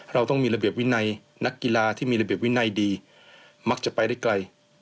เราต้องมีระเบียบวินัยนักกีฬาที่มีระเบียบวินัยดีมักจะไปได้ไกล